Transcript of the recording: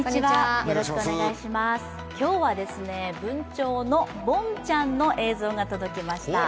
今日は文鳥のボンちゃんの映像が届きました